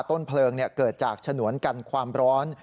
ต้นเพลิงเกิดจากฉนวนกันความร้อน